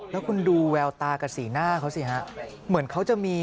แล้วคุณดูแววตากับสีหน้าเขาสิฮะเหมือนเขาจะมี